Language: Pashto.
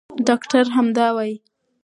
ډاکټره همدا وايي.